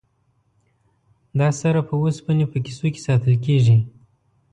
دا سره په اوسپنې په کیسو کې ساتل کیږي.